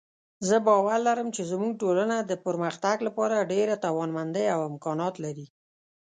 زه باور لرم چې زموږ ټولنه د پرمختګ لپاره ډېره توانمندۍ او امکانات لري